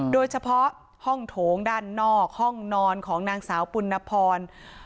โดยเฉพาะห้องโถงด้านนอกห้องนอนของนางสาวปุณพร